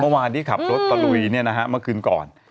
เมื่อวานที่ขับรถตะลุยเมื่อคืนก่อน